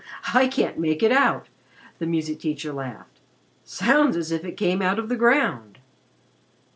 "I can't make out," the music teacher laughed. "Sounds as if it came out of the ground."